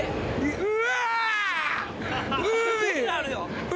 うわ！